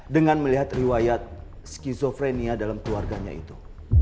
dengan melihat riwayat skizofrenia dalam keluarganya itu